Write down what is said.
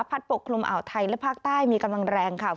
ผัดปกรุงเกษตรเอ่อไทยและฝั่งศรภาคใต้มีกำลังแรงค่ะ